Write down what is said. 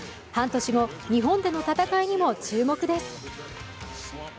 半年後日本での戦いにも注目です。